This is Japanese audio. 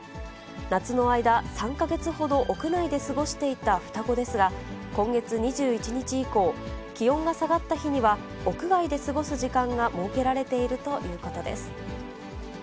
夏の間、３か月ほど屋内で過ごしていた双子ですが、今月２１日以降、気温が下がった日には、屋外で過ごす時間が設けられているということです。